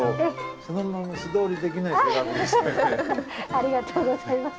ありがとうございます。